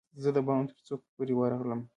زه د بام ترڅوکو پورې ورغلم